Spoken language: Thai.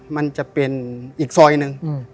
มันจะเป็นอีกซอยหนึ่ง